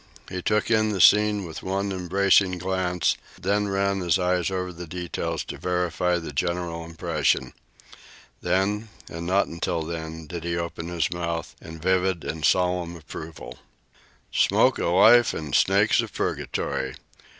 He took in the scene with one embracing glance, then ran his eyes over the details to verify the general impression. Then, and not until then, did he open his mouth in vivid and solemn approval: "Smoke of life an' snakes of purgatory!